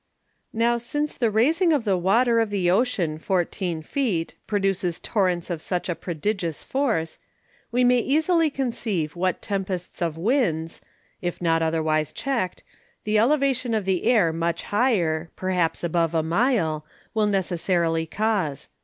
Now since the raising of the Water of the Ocean 14 Feet, produces Torrents of such a prodigious Force, we may easily conceive what Tempests of Winds (if not otherwise check'd) the Elevation of the Air much higher (perhaps above a Mile) will necessarily cause.